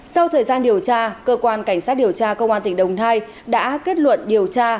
sau thời gian điều tra cơ quan cảnh sát điều tra công an tỉnh đồng nai đã kết luận điều tra